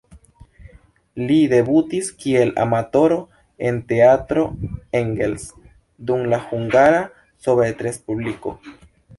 Li debutis kiel amatoro en "Teatro Engels" dum la Hungara Sovetrespubliko.